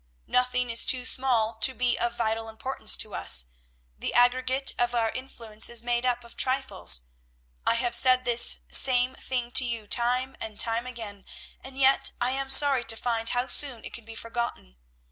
Nothing is too small to be of vital importance to us; the aggregate of our influences is made up of trifles. I have said this same thing to you time and time again, and yet I am sorry to find how soon it can be forgotten.